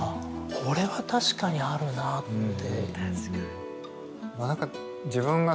これは確かにあるなぁって。